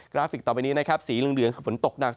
ราฟิกต่อไปนี้นะครับสีเหลืองคือฝนตกหนัก